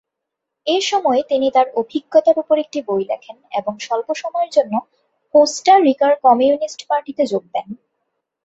এসময় তিনি তার অভিজ্ঞতার উপর একটি বই লেখেন এবং স্বল্প সময়ের জন্য কোস্টা রিকার কমিউনিস্ট পার্টিতে যোগ দেন।